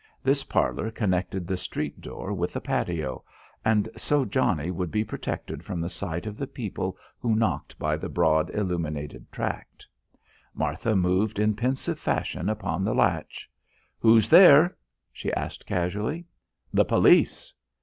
This parlour connected the street door with the patio, and so Johnnie would be protected from the sight of the people who knocked by the broad illuminated tract. Martha moved in pensive fashion upon the latch. "Who's there?" she asked casually. "The police."